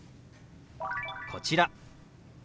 こちら。